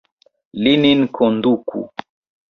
Li nin konduku!